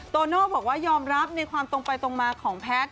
โตโน่บอกว่ายอมรับในความตรงไปตรงมาของแพทย์